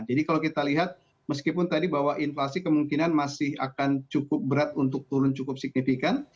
jadi kalau kita lihat meskipun tadi bahwa inflasi kemungkinan masih akan cukup berat untuk turun cukup signifikan